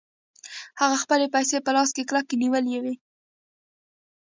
هغه خپلې پيسې په لاس کې کلکې نيولې وې.